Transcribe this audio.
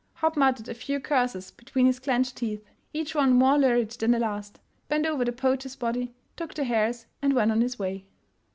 Hopp mut tered a few curses between his clenched teeth, each one more lurid than the last — bent over the poacher's body, took the hares, and went on his way.